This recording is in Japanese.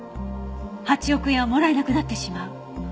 ８億円はもらえなくなってしまう。